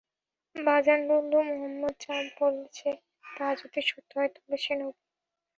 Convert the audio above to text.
বাযান বলল, মুহাম্মদ যা বলেছে তা যদি সত্য হয় তবে সে নবী।